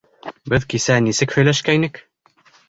Беҙ кисә нисек һөйләшкәйнек?